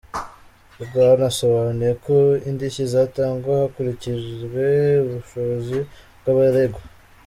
Rwanasobanuye ko indishyi zitangwa hakurikijwe ubushobozi bw’abaregwa.